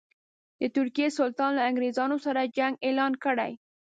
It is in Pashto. د ترکیې سلطان له انګرېزانو سره جنګ اعلان کړی.